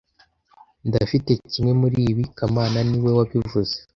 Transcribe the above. Ndafite kimwe muri ibi kamana niwe wabivuze